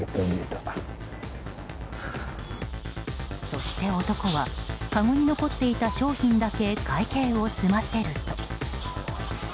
そして男はかごに残っていた商品だけ会計を済ませると。